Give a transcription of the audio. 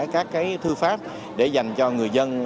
các thư pháp để dành cho người dân